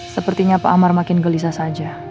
sepertinya pak amar makin gelisah saja